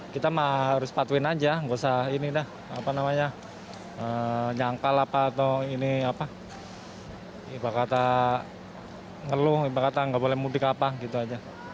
kita harus patuhin aja gak usah nyangkal apa atau ibar kata ngeluh ibar kata gak boleh mudik apa gitu aja